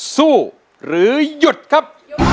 สู้หรือหยุดครับ